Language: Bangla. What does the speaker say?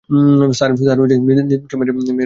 স্যার-- নিতিনকে মেরে গাড়ির ট্যাঙ্কে লুকিয়ে রেখেছ?